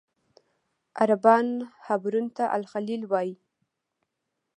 عربان حبرون ته الخلیل وایي.